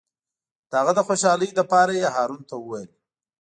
د هغه د خوشحالۍ لپاره یې هارون ته وویل.